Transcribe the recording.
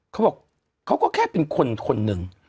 เขาบอกเขาก็แค่เป็นคนคนหนึ่ง